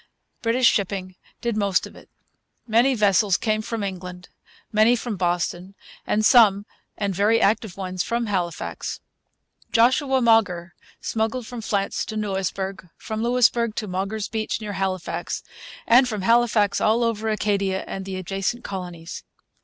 British shipping did most of it. Many vessels came from England, many from Boston, some, and very active ones, from Halifax. Joshua Mauger smuggled from France to Louisbourg, from Louisbourg to 'Mauger's Beach' near Halifax, and from Halifax all over Acadia and the adjacent colonies.